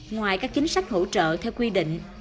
ngoài các chính sách hỗ trợ theo quy định